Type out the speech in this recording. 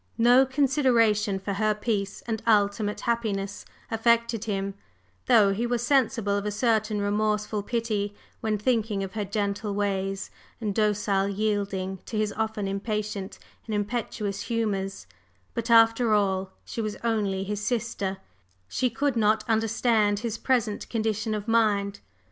No consideration for her peace and ultimate happiness affected him, though he was sensible of a certain remorseful pity when thinking of her gentle ways and docile yielding to his often impatient and impetuous humors; but, after all, she was only his sister, she could not understand his present condition of mind.